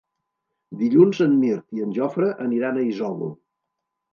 Dilluns en Mirt i en Jofre aniran a Isòvol.